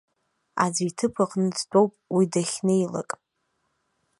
Аӡәы иҭыԥ аҟны дтәоуп уи дахьнеилак.